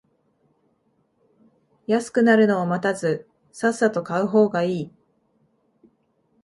安くなるのを待たずさっさと買う方がいい